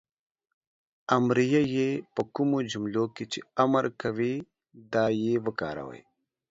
امریه "ئ" په کومو جملو کې چې امر کوی دا "ئ" وکاروئ